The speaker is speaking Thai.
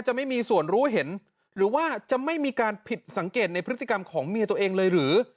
ไม่มีส่วนรู้เห็นหรือว่าจะไม่มีการผิดสังเกตในพฤติกรรมของเมียตัวเองเลยหรือ